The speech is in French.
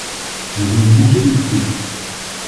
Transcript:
Nous avons mangé des fruits.